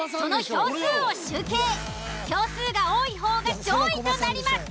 票数が多い方が上位となります。